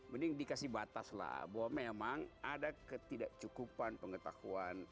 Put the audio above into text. mending dikasih bataslah bahwa memang ada ketidakcukupan pengetahuan